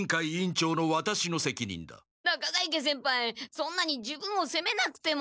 そんなに自分をせめなくても。